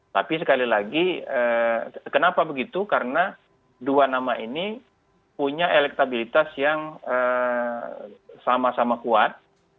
tapi sekali lagi kenapa begitu karena dua nama ini punya elektabilitas yang sama sama kuat